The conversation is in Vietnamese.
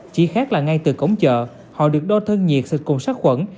chỉ khác là ngay từ cổng chợ họ được đô thân nhiệt sạch cùng sắc khuẩn